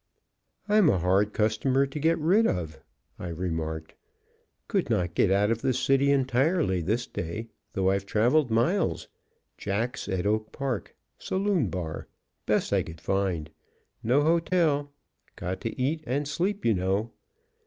"I'm a hard customer to get rid of," I remarked; "could not get out of the city entirely this day, though I've traveled miles jacks at Oak Park saloon barn, best I could find no hotel got to eat and sleep, you know."